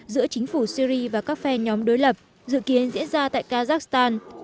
giữa chính phủ syri và các phe nhóm đối lập dự kiến diễn ra tại kazakhstan